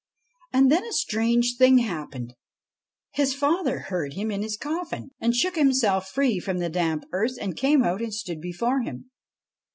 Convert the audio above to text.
And then a strange thing happened. His father heard him in his coffin, and shook himself free from the damp earth, and came out and stood before him.